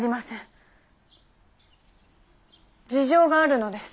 事情があるのです。